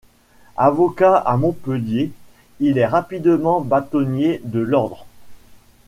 Avocat à Montpellier, il est rapidement bâtonnier de l'ordre.